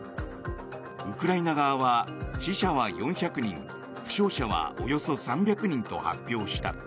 ウクライナ側は死者は４００人負傷者はおよそ３００人と発表した。